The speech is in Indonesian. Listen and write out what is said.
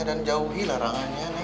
dan jauhi larangannya neng